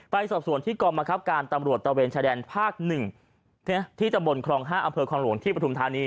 ไปสอบส่วนที่ก่อมาการตำรวจตะเวนชาแดนภาค๑ที่ตะบนครอง๕อำเภอความหลวงที่ประธุมธานี